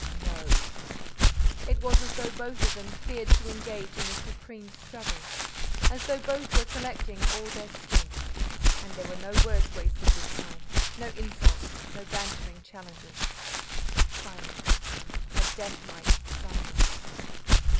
"No." It was as though both of them feared to engage in the supreme struggle, as though both were collecting all their strength. And there were no words wasted this time, no insults, no bantering challenges. Silence, a deathlike silence.